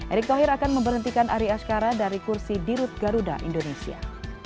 erick thohir akan memberhentikan ari askara dari kursi dirut garuda indonesia